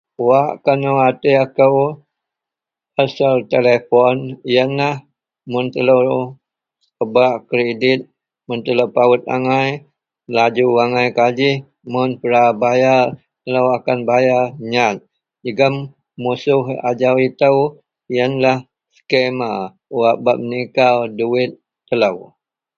Wak kena kuwatir kou pasel telepon iyen lah mun telo pebak kredit mun telo pawot angai laju angai kajih mun pra telo akan bayar nyat jegem musuh ajau ito iyen lah scamma wak bak menikau duwit telo